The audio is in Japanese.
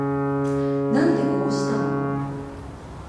なんでこうしたの